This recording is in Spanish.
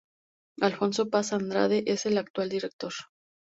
Alfonso Paz-Andrade es el actual director.